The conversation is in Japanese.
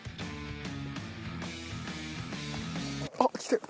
あっ来てる！